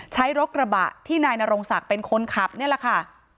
รถกระบะที่นายนรงศักดิ์เป็นคนขับนี่แหละค่ะ